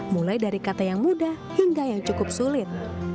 mulai dari kata yang mudah hingga yang cukup sulit